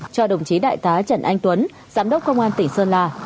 cho đồng chí đại tá trần anh tuấn giám đốc công an tỉnh sơn la